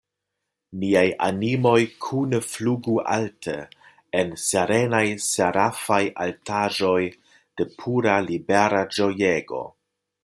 Niaj animoj kune flugu alte en serenaj, serafaj altaĵoj de pura, libera ĝojego!